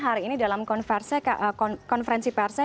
hari ini dalam konferensi persnya